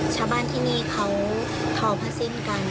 ชาวบ้านที่นี่เขาทองผ้าสิ้นกัน